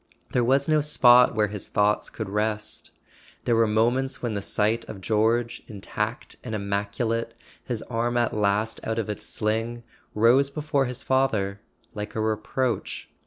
There was no spot where his thoughts could rest: there were moments when the sight of George, intact and immaculate—his arm at last out of its sling —rose before his father like a reproach.